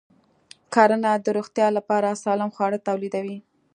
کرنه د روغتیا لپاره سالم خواړه تولیدوي.